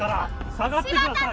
下がってください！